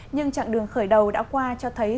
nhưng chặng đường khởi đầu đã qua cho thấy